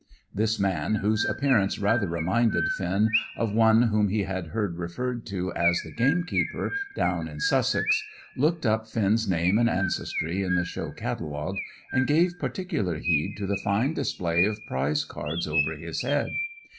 This man, whose appearance rather reminded Finn of one whom he had heard referred to as the gamekeeper, down in Sussex, looked up Finn's name and ancestry in the show catalogue, and gave particular heed to the fine display of prize cards over his head.